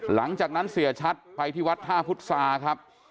หลังจากนั้นเสียชัดไปที่วัดท่าพุทธศาครับ